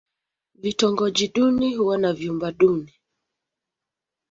Vitongoji duni huwa na vyumba duni.